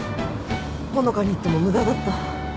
穂香に言っても無駄だった。